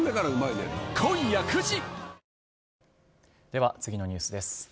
では次のニュースです。